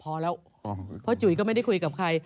พอแล้วเพราะจุ๋ยก็ไม่ได้คุยกับใคร